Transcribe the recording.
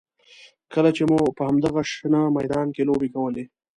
کله چې به مو په همدغه شنه میدان کې لوبې کولې.